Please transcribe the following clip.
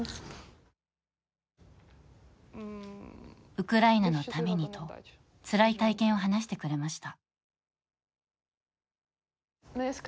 ウクライナのためにとつらい体験を話してくれました。